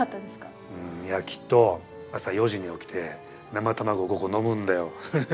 いやきっと朝４時に起きて生卵５個飲むんだよ。